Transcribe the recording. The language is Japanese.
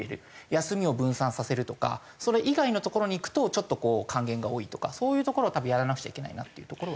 休みを分散させるとかそれ以外の所に行くとちょっと還元が多いとかそういうところを多分やらなくちゃいけないなっていうところは。